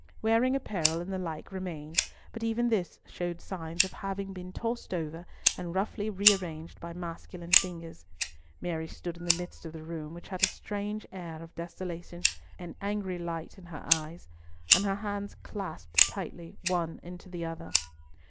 Wearing apparel and the like remained, but even this showed signs of having been tossed over and roughly rearranged by masculine fingers. Mary stood in the midst of the room, which had a strange air of desolation, an angry light in her eyes, and her hands clasped tightly one into the other.